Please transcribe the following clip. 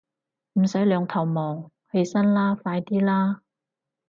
唔使兩頭望，起身啦，快啲啦